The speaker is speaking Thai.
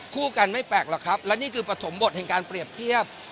คู่กันไม่แปลกหรอกครับและนี่คือปฐมบทแห่งการเปรียบเทียบ